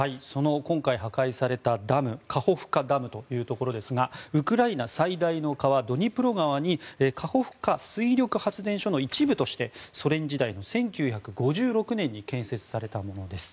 今回破壊されたダムカホフカダムというところですがウクライナ最大の川ドニプロ川にカホフカ水力発電所の一部としてソ連時代の１９５６年に建設されたものです。